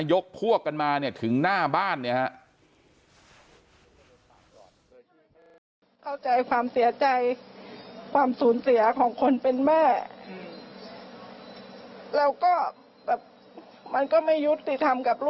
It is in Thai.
ยกพวกกันมาเนี่ยถึงหน้าบ้านเนี่ยฮะ